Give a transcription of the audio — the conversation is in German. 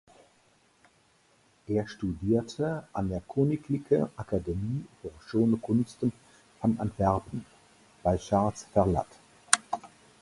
Er studierte an der Koninklijke Academie voor Schone Kunsten van Antwerpen bei Charles Verlat.